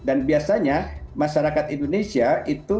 dan biasanya masyarakat indonesia itu